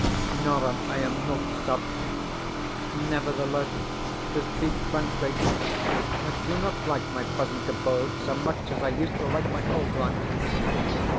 Nor am I a milksop. Nevertheless, to speak frankly, I do not like my present abode so much as I used to like my old one.